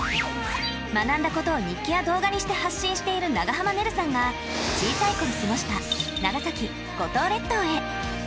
学んだことを日記や動画にして発信している長濱ねるさんが小さい頃過ごした長崎・五島列島へ。